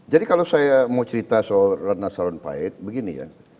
jadi kalau saya mau cerita soal ratna sarumpait begini